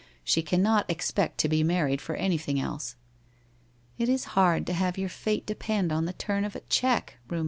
She cannot oxpect to be married for anything else.' * It is hard to have your fate depend on the turn of a cheque